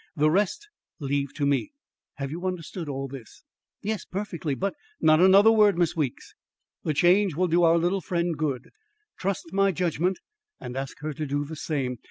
The rest leave to me. Have you understood all this?" "Yes, perfectly; but " "Not another word, Miss Weeks. The change will do our little friend good. Trust my judgment, and ask her to do the same.